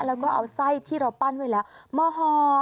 แล้วก็เอาไส้ที่เราปั้นไว้แล้วมาห่อ